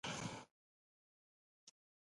د ډالر پر وړاندې د افغانۍ ثبات ښه دی